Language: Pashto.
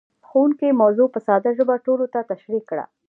ښوونکی موضوع په ساده ژبه ټولو ته تشريح کړه.